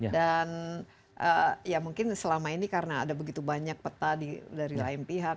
dan ya mungkin selama ini karena ada begitu banyak peta dari lain pihak masing masing memilih